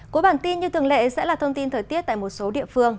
cuối bản tin như thường lệ sẽ là thông tin thời tiết tại một số địa phương